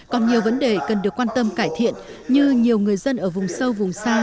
còn nhiều vấn đề cần được quan tâm cải thiện như nhiều người dân ở vùng sâu vùng xa